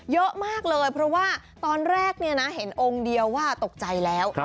เยอะมากเลยเพราะว่าตอนแรกเห็นองค์เดียวว่าตกใจแล้ว